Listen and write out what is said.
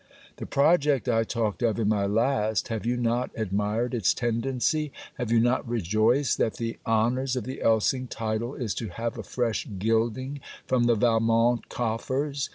The project I talked of in my last, have you not admired its tendency? Have you not rejoiced that the honours of the Elsing title is to have a fresh gilding from the Valmont coffers.